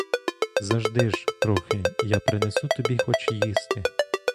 Зажди ж трохи, я принесу тобі хоч їсти.